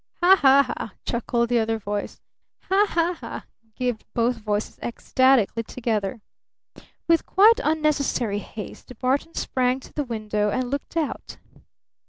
"Ha! Ha! Ha!" chuckled the other voice. "Ha! Ha! Ha!" gibed both voices ecstatically together. With quite unnecessary haste Barton sprang to the window and looked out.